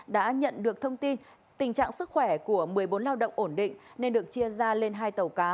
đã nhận được thông tin tình trạng sức khỏe của một mươi bốn lao động ổn định nên được chia ra lên hai tàu cá